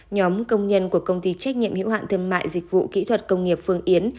nhóm công nhân của công ty trách nhiệm hiệu hạn thương mại dịch vụ kỹ thuật công nghiệp phương yến